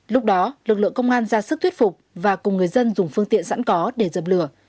lúc đó lực lượng công an ra sức thuyết phục và cùng người dân dùng phương tiện sẵn có để dập lửa